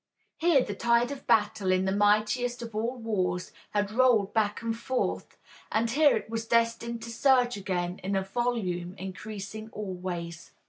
Here the tide of battle in the mightiest of all wars had rolled back and forth, and here it was destined to surge again in a volume increasing always.